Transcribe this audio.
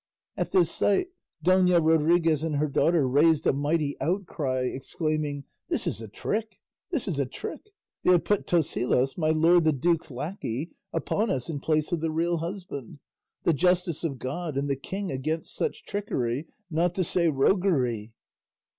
At this sight Dona Rodriguez and her daughter raised a mighty outcry, exclaiming, "This is a trick! This is a trick! They have put Tosilos, my lord the duke's lacquey, upon us in place of the real husband. The justice of God and the king against such trickery, not to say roguery!"